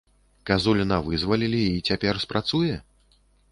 Казуліна вызвалілі, і цяпер спрацуе?